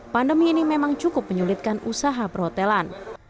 pandemi ini memang cukup menyulitkan usaha perhotelan